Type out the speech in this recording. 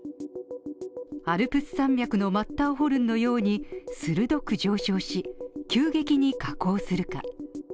アルプス山脈のマッターホルンのように、鋭く上昇し、急激に下降するか。